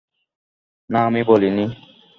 না, আমি বলিনি।